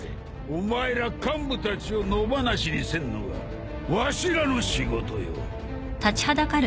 お前ら幹部たちを野放しにせんのがわしらの仕事よ。